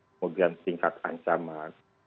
kemudian tingkat ancaman